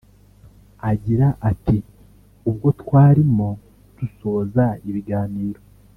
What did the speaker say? Agira ati "Ubwo twarimo dusoza ibiganiro